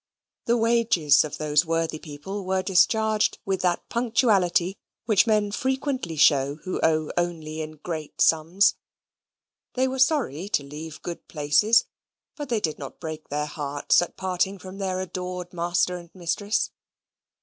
The wages of those worthy people were discharged with that punctuality which men frequently show who only owe in great sums they were sorry to leave good places but they did not break their hearts at parting from their adored master and mistress.